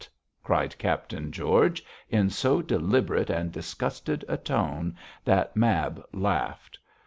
cried Captain George, in so deliberate and disgusted a tone that Mab laughed.